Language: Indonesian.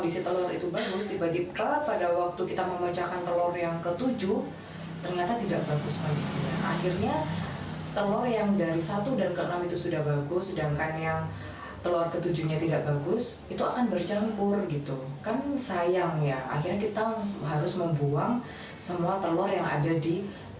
semua telur yang ada di dalam baskom adonan itu tadi